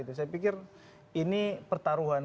saya pikir ini pertaruhan